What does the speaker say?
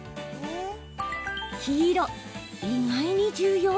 黄色・意外に重要？